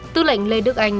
tư lệnh lê đức anh